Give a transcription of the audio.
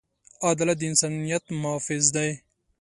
عدالت د انسانیت محافظ دی.